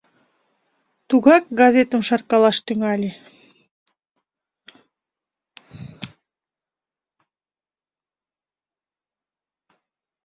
Тудак газетым шаркалаш тӱҥале.